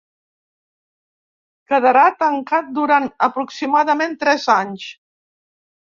Quedarà tancat durant aproximadament tres anys.